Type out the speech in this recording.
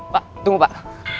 pak tunggu pak